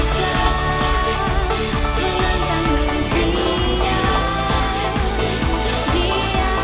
kita dengan kamu biar